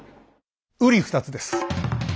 うり二つです。